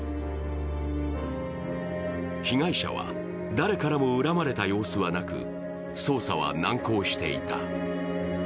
被害者は、誰からも恨まれた様子はなく、捜査は難航していた。